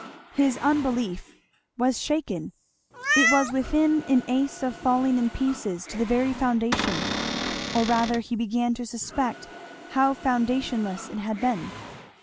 His unbelief was shaken; it was within an ace of falling in pieces to the very foundation; or rather he began to suspect how foundationless it had been.